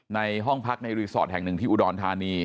ในห้องพักในรีสอร์ทแห่งหนึ่งที่อุดรธานี